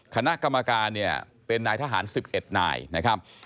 คณะกรรมการเนี่ยเป็นนายทหาร๑๑นายนะครับ